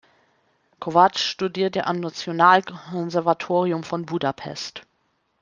Kovács studierte am Nationalkonservatorium von Budapest.